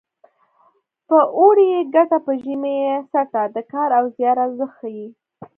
په اوړي یې ګټه په ژمي یې څټه د کار او زیار ارزښت ښيي